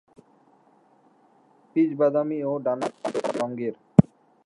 পিঠ বাদামি ও ডানার প্রান্ত তামাটে রঙের।